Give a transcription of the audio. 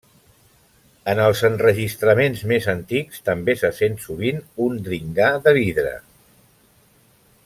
En els enregistraments més antics també se sent sovint un dringar de vidre.